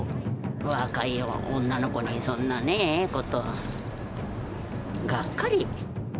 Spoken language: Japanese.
若い女の子に、そんなこと、がっかり。